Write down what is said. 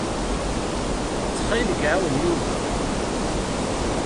Ttxil-k, ɛawen Yuba.